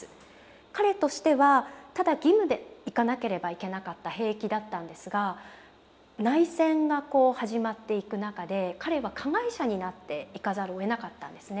彼としてはただ義務で行かなければいけなかった兵役だったんですが内戦が始まっていく中で彼は加害者になっていかざるをえなかったんですね。